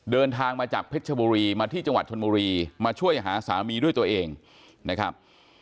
เดินทางมาจากเพชรชบุรีมาที่จังหวัดชนบุรีมาช่วยหาสามีด้วยตัวเองนะครับ